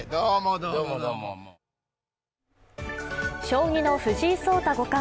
将棋の藤井聡太五冠。